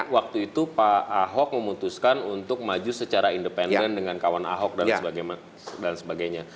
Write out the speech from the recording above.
waktu itu pak ahok memutuskan untuk maju secara independen dengan kawan ahok dan sebagainya